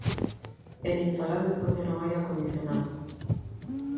E nin falar de poñer o aire acondicionado.